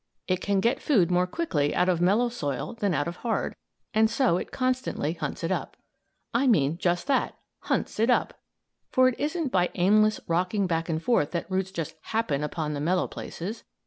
It can get food more quickly out of mellow soil than out of hard, and so it constantly hunts it up. I mean just that hunts it up. For it isn't by aimless rocking back and forth that roots just happen upon the mellow places.